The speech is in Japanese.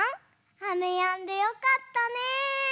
あめやんでよかったね。